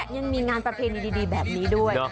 ยังมีงานประเพณีดีแบบนี้ด้วย